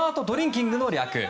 キングの略。